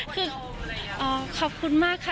คือขอบคุณมากค่ะ